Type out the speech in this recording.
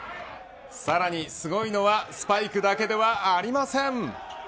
さらにすごいのはスパイクだけではありません。